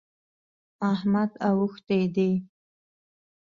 احمد اوښتی دی.